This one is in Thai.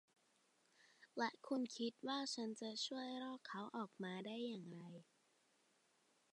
และคุณคิดว่าฉันจะช่วยล่อเขาออกมาได้อย่างไร